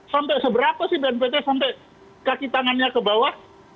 sampai seberapa sih bnpt sampai kaki tangannya ke bawah